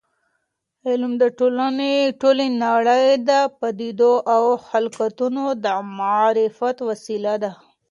علم د ټولې نړۍ د پدیدو او خلقتونو د معرفت وسیله ده.